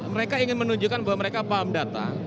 mereka ingin menunjukkan bahwa mereka paham data